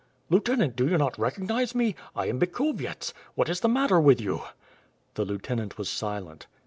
"Lieutenant, do you not recognize me. I am Bikhovyets. What is the matter with you?" The lieutenant was silent.